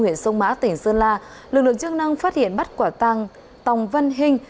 huyện sông mã tỉnh sơn la lực lượng chức năng phát hiện bắt quả tăng tòng văn hình